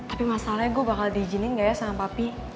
tapi masalahnya gue bakal diizinin nggak ya sama papi